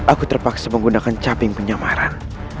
aku terpaksa menggunakan caping penyamaran